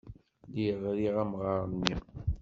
Lliɣ riɣ amɣar-nni.